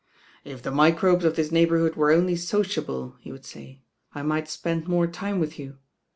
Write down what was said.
"If the microbes of this neighbourhood were only sociable," he would say, "I might spend more time with you.